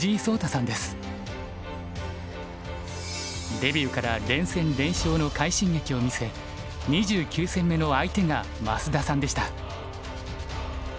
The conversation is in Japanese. デビューから連戦連勝の快進撃を見せ２９戦目の相手が増田さんでした。